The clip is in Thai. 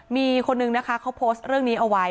มีคนนึงนะคะเขาโพสต์เรื่องนี้เอาไว้